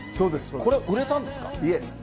これ、売れたんですか？